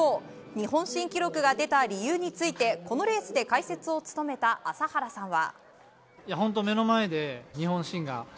日本新記録が出た理由についてこのレースで解説を務めた朝原さんは。